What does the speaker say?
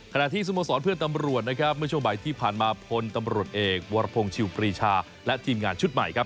ที่สโมสรเพื่อนตำรวจนะครับเมื่อช่วงบ่ายที่ผ่านมาพลตำรวจเอกวรพงศ์ชิวปรีชาและทีมงานชุดใหม่ครับ